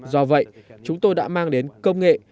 do vậy chúng tôi đã mang đến công nghệ